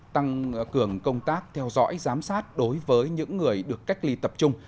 tăng cường công tác theo dõi giám sát đối với những người được cách ly tập trung